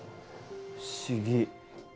不思議。